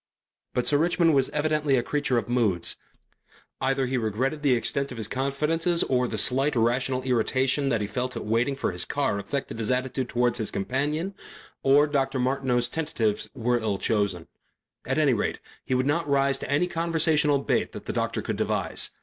But Sir Richmond was evidently a creature of moods. Either he regretted the extent of his confidences or the slight irrational irritation that he felt at waiting for his car affected his attitude towards his companion, or Dr. Martineau's tentatives were ill chosen. At any rate he would not rise to any conversational bait that the doctor could devise.